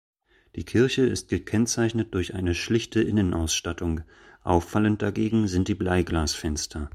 Die Kirche ist gekennzeichnet durch eine schlichte Innenausstattung, auffallend dagegen sind die Bleiglasfenster.